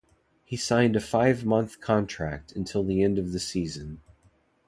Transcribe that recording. He signed a five-month contract until the end of the season.